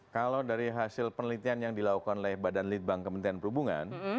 kalau dari hasil penelitian yang dilakukan oleh badan litbang kementerian perhubungan